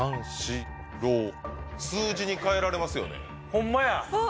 ホンマや！